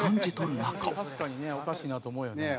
「確かにねおかしいなと思うよね」